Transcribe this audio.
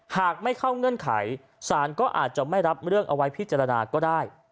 หากไม่เข้าเงื่อนไขสารก็อาจจะไม่รับเรื่องเอาไว้พิจารณาก็ได้